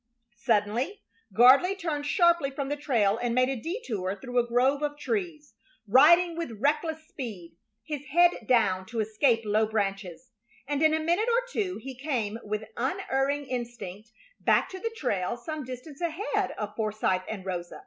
Suddenly Gardley turned sharply from the trail and made a detour through a grove of trees, riding with reckless speed, his head down to escape low branches; and in a minute or two he came with unerring instinct back to the trail some distance ahead of Forsythe and Rosa.